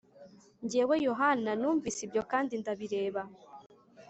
Jyewe Yohana numvise ibyo kandi ndabireba.